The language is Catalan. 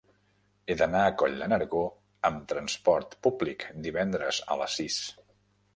He d'anar a Coll de Nargó amb trasport públic divendres a les sis.